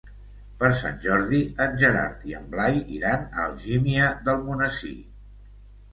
Per Sant Jordi en Gerard i en Blai iran a Algímia d'Almonesir.